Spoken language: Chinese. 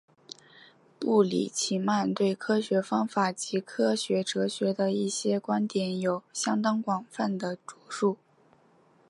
布里奇曼对科学方法及科学哲学的一些观点有相当广泛的着述。